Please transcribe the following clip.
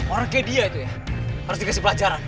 orang kayak dia itu ya harus dikasih pelajaran